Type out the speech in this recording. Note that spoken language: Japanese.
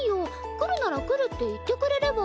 来るなら来るって言ってくれれば。